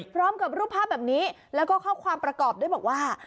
พร้อมกับรูปภาพแบบนี้แล้วก็ข้อความประกอบด้วยบอกว่า